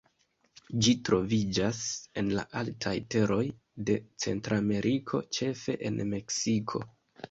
Ĝi troviĝas en la altaj teroj de Centrameriko, ĉefe en Meksiko.